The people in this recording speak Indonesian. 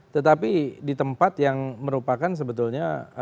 tetapi di tempat yang merupakan sebetulnya